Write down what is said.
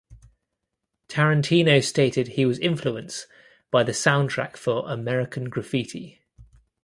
Tarantino stated he was influenced by the soundtrack for "American Graffiti".